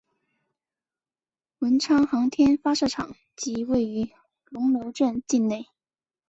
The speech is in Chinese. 文昌航天发射场即位于龙楼镇境内。